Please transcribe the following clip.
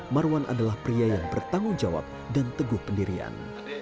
marwan adalah pria yang bertanggung jawab dan teguh pendirian